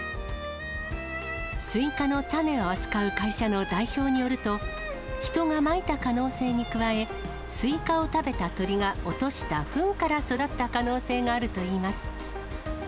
スイカの種を扱う会社の代表によると、人がまいた可能性に加え、スイカを食べた鳥が落としたふんから育った可能性があるといいます。